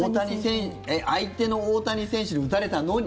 相手の大谷選手に打たれたのに？